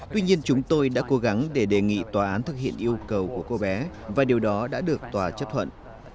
tuy nhiên chúng tôi đã cố gắng để đề nghị tòa án thực hiện yêu cầu của cô bé và điều đó đã được tòa chấp thuận